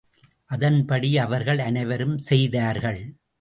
அதன்படி அவர்கள் அனைவரும் செய்தார்கள்.